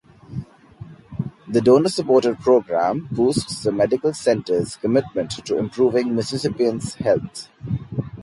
The donor-supported program boosts the Medical Center's commitment to improving Mississippians' health.